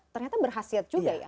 ternyata berhasil juga ya